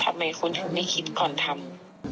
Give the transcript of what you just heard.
ทำไมคุณทำไม่คิดก่อนทำ